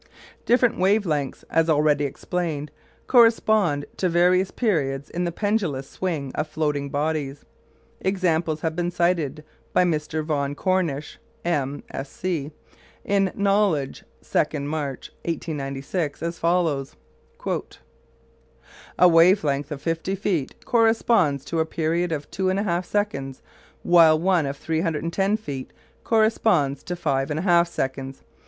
Different wave lengths, as already explained, correspond to various periods in the pendulous swing of floating bodies. Examples have been cited by Mr. Vaughan Cornish, M. Sc., in Knowledge, 2nd March, 1896, as follows: "A wave length of fifty feet corresponds to a period of two and a half seconds, while one of 310 feet corresponds to five and a half seconds.